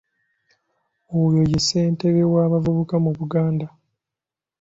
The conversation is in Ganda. Oyo ye ssentebe w'abavubuka mu Buganda.